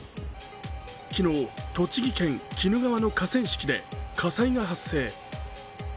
昨日、栃木県鬼怒川の河川敷で火災が発生。